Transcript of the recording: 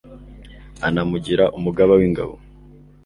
anamugira umugaba w'ingabo